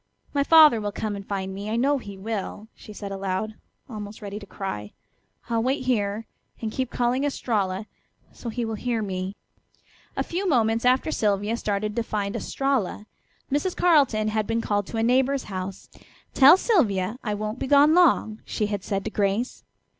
"My father will come and find me, I know he will," she said aloud, almost ready to cry. "I'll wait here, and keep calling 'Estralla,' so he will hear me." A few moments after Sylvia started to find Estralla Mrs. Carleton had been called to a neighbor's house. "Tell Sylvia I won't be gone long," she had said to Grace.